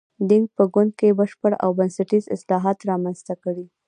دینګ په ګوند کې بشپړ او بنسټیز اصلاحات رامنځته کړي.